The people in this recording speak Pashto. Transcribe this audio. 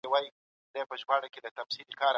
نړۍ یو کلی سوی دی.